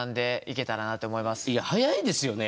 いや早いですよね